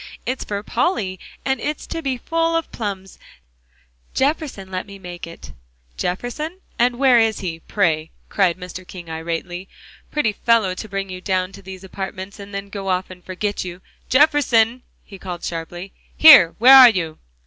It's for Polly, and it's to be full of plums; Jefferson let me make it." "Jefferson? And where is he, pray?" cried Mr. King irately. "Pretty fellow, to bring you down to these apartments, and then go off and forget you. Jefferson!" he called sharply, "here, where are you?"